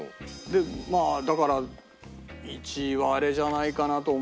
まあだから１位はあれじゃないかなと思って。